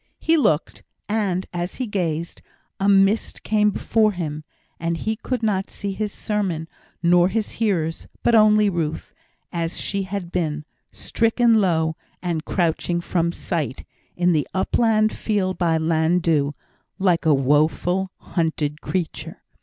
He looked, and, as he gazed, a mist came before him, and he could not see his sermon, nor his hearers, but only Ruth, as she had been stricken low, and crouching from sight, in the upland field by Llan dhu like a woeful, hunted creature.